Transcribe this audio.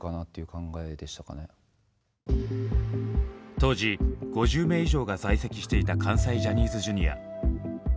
当時５０名以上が在籍していた関西ジャニーズＪｒ．。